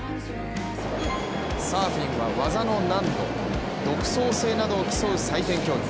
サーフィンは技の難度・独創性などを競う、採点競技。